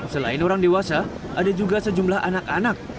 selain orang dewasa ada juga sejumlah anak anak